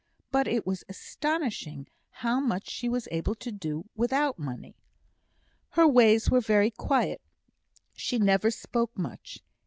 But it was astonishing how much she was able to do without money. Her ways were very quiet; she never spoke much.